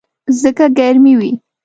ځکه ګرمي وي.